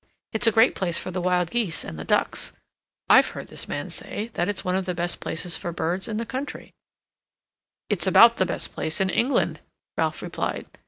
It's a great place for the wild geese and the ducks. I've heard this man say that it's one of the best places for birds in the country." "It's about the best place in England," Ralph replied.